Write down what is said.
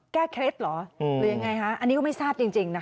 เคล็ดเหรอหรือยังไงคะอันนี้ก็ไม่ทราบจริงนะคะ